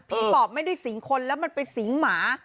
ตอบไม่ได้สิงคนแล้วมันไปสิงหมา